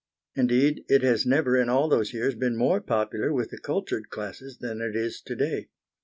Indeed, it has never in all those years been more popular with the cultured classes than it is to day.